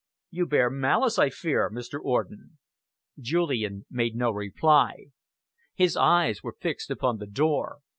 "You bear malice, I fear, Mr. Orden." Julian made no reply. His eyes were fixed upon the door.